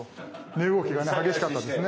値動きが激しかったですね。